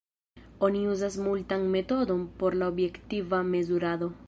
Oni uzas multan metodon por la objektiva mezurado.